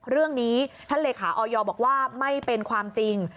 เรื่องนี้ท่านเลขาออยบอกว่าไม่เป็นความจริง